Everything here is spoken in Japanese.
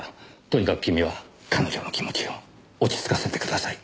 とにかく君は彼女の気持ちを落ち着かせてください。